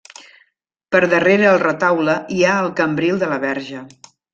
Per darrere el retaule hi ha el cambril de la Verge.